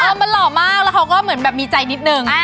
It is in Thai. มันหล่อมากแล้วเขาก็เหมือนแบบมีใจนิดนึง